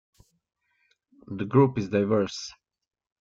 The group is diverse.